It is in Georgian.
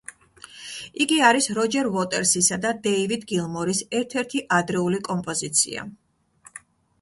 იგი არის როჯერ უოტერსისა და დეივიდ გილმორის ერთ-ერთი ადრეული კომპოზიცია.